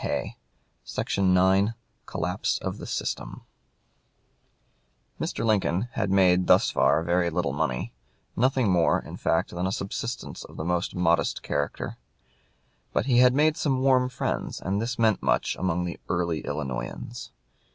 CHAPTER IX COLLAPSE OF THE SYSTEM Mr. Lincoln had made thus far very little money nothing more, in fact, than a subsistence of the most modest character. But he had made some warm friends, and this meant much among the early Illinoisans.